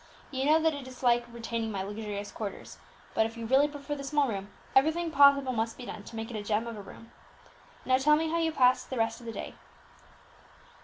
You know that I dislike retaining my luxurious quarters, but if you really prefer the small room, everything possible must be done to make it a gem of a room. Now tell me how you passed the rest of the day."